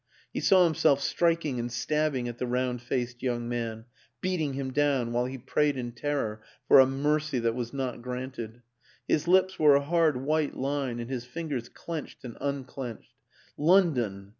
He saw himself striking and stabbing at the round faced young man beating him down while he prayed in terror for a mercy that was not granted. His lips were a hard white line and his fingers clenched and unclenched. London